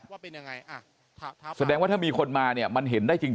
ว่าเป็นยังไงอ่ะแสดงว่าถ้ามีคนมาเนี่ยมันเห็นได้จริง